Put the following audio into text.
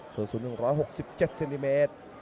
ส่วนสูง๑๖๗เซนติเมตร